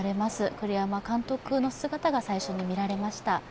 栗山監督の姿が最初に見られました。